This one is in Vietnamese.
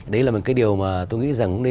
đấy là một cái điều mà tôi nghĩ rằng